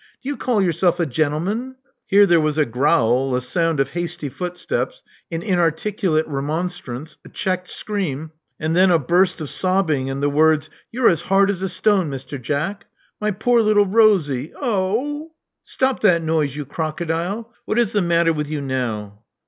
Do you call yourself a gentleman " Here there was a growl, a sound of hasty footsteps, an inarticulate remonstrance, a checked scream, and then a burst of sobbing and the words, You're as hard as a stone, Mr. Jack. My poor little Rosie. Ohoo!" '*Stop that noise, you crocodile. What is the matter with you now?"